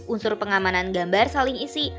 unsur pengamanan gambar saling isi